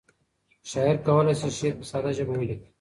شاعر کولی شي شعر په ساده ژبه ولیکي.